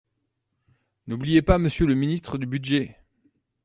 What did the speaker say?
N’oubliez pas Monsieur le ministre du budget